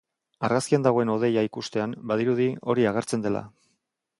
Argazkian dagoen hodeia ikustean, badirudi hori agertzen dela.